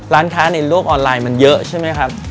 ร้านค้าในโลกออนไลน์มันเยอะใช่ไหมครับ